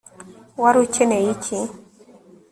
wari ukeneye iki